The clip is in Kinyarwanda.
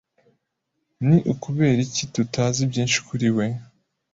ni ukubera iki tutazi byinshi kuri we